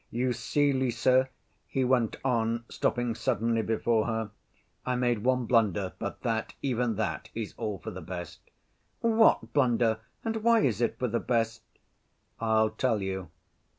"You see, Lise," he went on, stopping suddenly before her, "I made one blunder, but that, even that, is all for the best." "What blunder, and why is it for the best?" "I'll tell you.